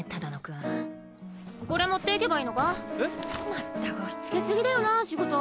まったく押しつけすぎだよな仕事。